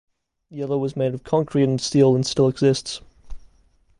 The other was made of concrete and steel and still exists.